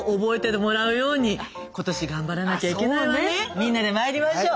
みんなでまいりましょう。